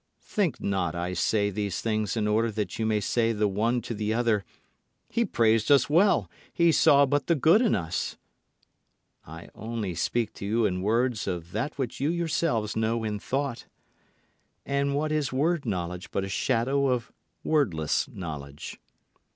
Think not I say these things in order that you may say the one to the other, "He praised us well. He saw but the good in us." I only speak to you in words of that which you yourselves know in thought. And what is word knowledge but a shadow of wordless knowledge?